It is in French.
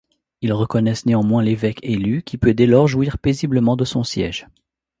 Ils reconnaissent néanmoins l'évêque élu qui peut dès lors jouir paisiblement de son siège.